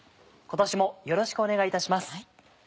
今年もよろしくお願いいたします。